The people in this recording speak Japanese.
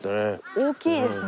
大きいですね。